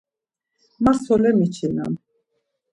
Ma sole miçinam?